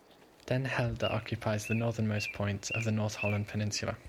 Den Helder occupies the northernmost point of the North Holland peninsula.